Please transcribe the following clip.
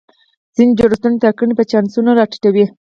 ځینې جوړښتونه ټاکنې په چانسونو را ټیټوي.